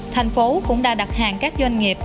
thành phố cũng đã đặt hàng các doanh nghiệp